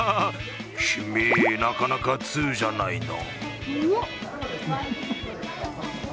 君、なかなか通じゃないの。